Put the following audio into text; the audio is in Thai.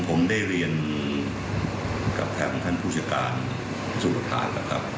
ผมได้เรียนกับแทบท่านผู้ชายการสุรทานครับครับ